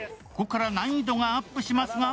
ここから難易度がアップします